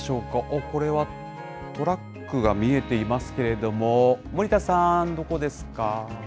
おっ、これはトラックが見えていますけれども、森田さん、どこですか。